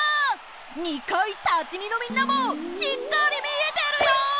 ２かいたちみのみんなもしっかりみえてるよ！